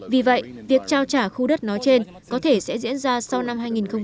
vì vậy việc trao trả khu đất nói trên có thể sẽ diễn ra sau năm hai nghìn hai mươi